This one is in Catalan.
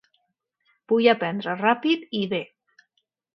Vull aprendre ràpid i bè.